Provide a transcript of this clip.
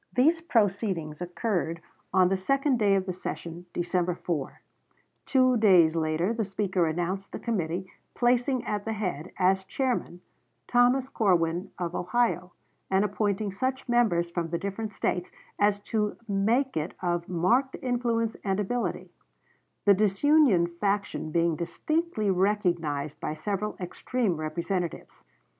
These proceedings occurred on the second day of the session, December 4; two days later the Speaker announced the committee, placing at the head, as chairman, Thomas Corwin, of Ohio, and appointing such members from the different States as to make it of marked influence and ability; the disunion faction being distinctly recognized by several extreme representatives.